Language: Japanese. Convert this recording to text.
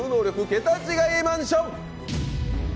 桁違いマンション